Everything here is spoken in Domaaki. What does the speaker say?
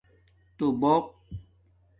توبُوق